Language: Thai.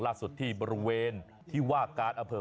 ล่าสุดที่บริเวณที่วากการอเผลอ